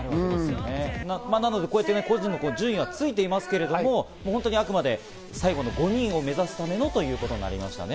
なので個人の順位はついていますけれどもあくまで最後の５人を目指すためのということになりましたね。